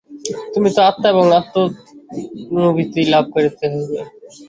তুমি তো আত্মা এবং এই আত্মানুভূতিই লাভ করিতে হইবে।